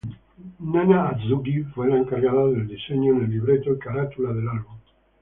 Nana Azuki fue la encargada del diseño de el libreto y carátula del álbum.